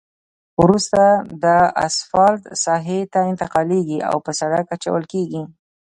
وروسته دا اسفالټ ساحې ته انتقالیږي او په سرک اچول کیږي